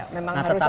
memang harus ada ini